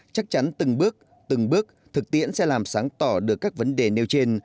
chắc chắn từng bước từng bước thực tiễn sẽ làm sáng tỏ được các vấn đề nêu trên